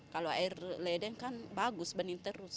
kalau air ledeng kan bagus bening terus